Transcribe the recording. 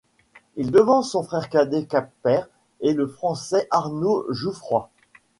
Il devance son frère cadet Kacper et le Français Arnaud Jouffroy.